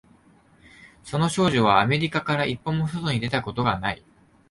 その少女はアメリカから一歩も外に出たことがない